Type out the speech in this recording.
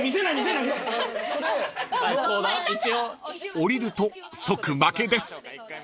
［降りると即負けです］